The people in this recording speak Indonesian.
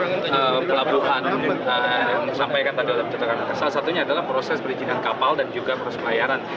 yang disampaikan tadi salah satunya adalah proses perizinan kapal dan juga proses pelayaran